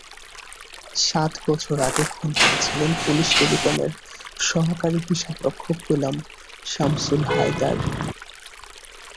সাত বছর আগে খুন হয়েছিলেন পুলিশ টেলিকমের সহকারী হিসাবরক্ষক গোলাম শামসুল হায়দার।